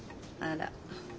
あら。